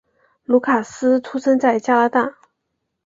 卢卡斯出生在加拿大。